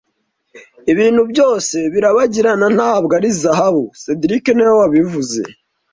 Ibintu byose birabagirana ntabwo ari zahabu cedric niwe wabivuze